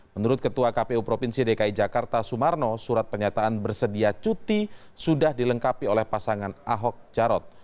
menurut ketua kpu provinsi dki jakarta sumarno surat pernyataan bersedia cuti sudah dilengkapi oleh pasangan ahok jarot